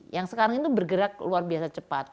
yang sekarang itu bergerak luar biasa cepat